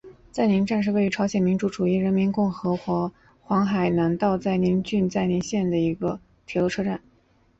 载宁站是位于朝鲜民主主义人民共和国黄海南道载宁郡载宁邑的一个铁路车站。